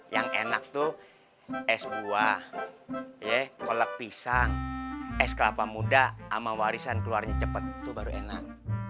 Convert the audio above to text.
yang enak tuh es buah ya kolek pisang es kelapa muda sama warisan keluarnya cepet tuh baru enak